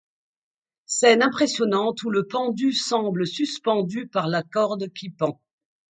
Scène impressionnante où le pendu semble suspendu par la corde qui pend.